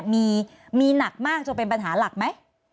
มีหนักมากจนเป็นปัญหาหลักไหม